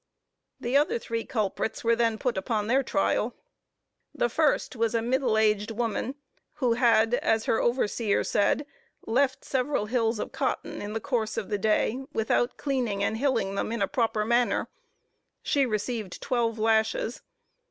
The other three culprits were then put upon their trial. The first was a middle aged woman, who had, as her overseer said, left several hills of cotton in the course of the day, without cleaning and hilling them in a proper manner. She received twelve lashes.